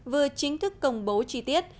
vừa chính thức công bố chi tiết